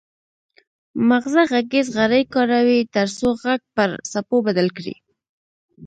مغزه غږیز غړي کاروي ترڅو غږ پر څپو بدل کړي